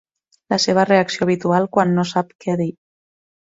La seva reacció habitual quan no sap què dir.